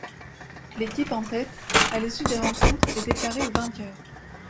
L'équipe en tête à l'issue des rencontres est déclarée vainqueur.